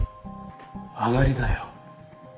上がりだよ。